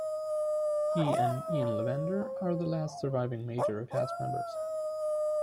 He and Ian Lavender are the last surviving major cast members.